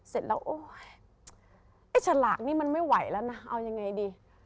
เสร็จแล้วโอ๊ยไอ้ฉลากนี่มันไม่ไหวแล้วนะเอายังไงดี